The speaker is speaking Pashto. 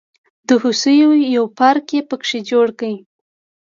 د هوسیو یو پارک یې په کې جوړ کړ.